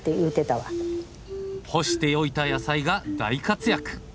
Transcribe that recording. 干しておいた野菜が大活躍。